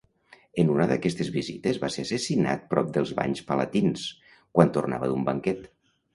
En una d'aquestes visites va ser assassinat prop dels Banys Palatins, quan tornava d'un banquet.